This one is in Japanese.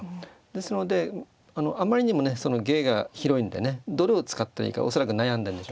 ですのであまりにも芸が広いんでねどれを使ったらいいか恐らく悩んでるんでしょうね。